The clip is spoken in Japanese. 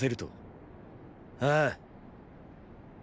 ああ。